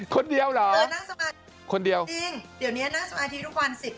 คนเดียวหรอคนเดียวจริง